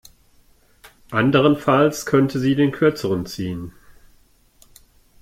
Anderenfalls könnte sie den Kürzeren ziehen.